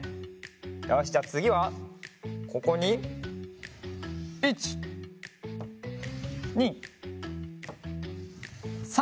よしじゃあつぎはここに１２３！